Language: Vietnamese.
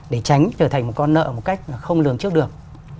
để tránh trở thành một con nợ một cách không lường trước được